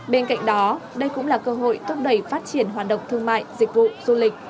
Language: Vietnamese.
bên cạnh đó đây cũng là cơ hội thúc đẩy phát triển hoạt động thương mại dịch vụ du lịch